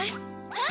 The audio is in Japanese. うん！